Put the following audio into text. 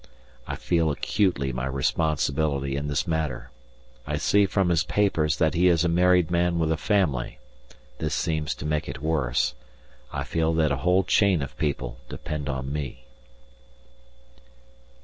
I feel acutely my responsibility in this matter. I see from his papers that he is a married man with a family; this seems to make it worse. I feel that a whole chain of people depend on me.